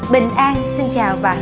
bình an xin chào và hẹn gặp lại